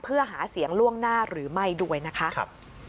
เพื่อหาเสียงล่วงหน้าหรือไม่ด้วยนะคะ